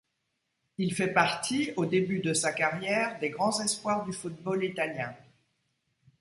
Il fait partie, au début de carrière, des grands espoirs du football italien.